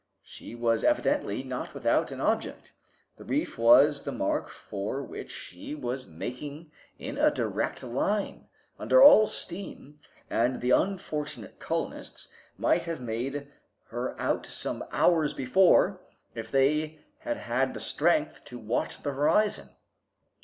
She was evidently not without an object. The reef was the mark for which she was making in a direct line, under all steam, and the unfortunate colonists might have made her out some hours before if they had had the strength to watch the horizon.